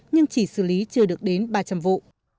nhưng chỉ xử lý chưa được đến ba trăm linh vụ